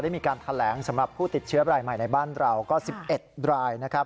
มีการแถลงสำหรับผู้ติดเชื้อรายใหม่ในบ้านเราก็๑๑รายนะครับ